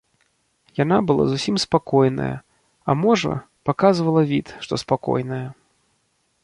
Яна была зусім спакойная, а можа, паказвала від, што спакойная.